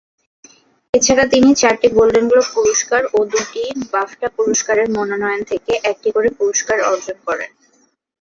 এছাড়া তিনি চারটি গোল্ডেন গ্লোব পুরস্কার ও দুটি বাফটা পুরস্কারের মনোনয়ন থেকে একটি করে পুরস্কার অর্জন করেন।